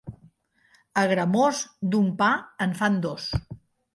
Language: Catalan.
A Gramós, d'un pa en fan dos.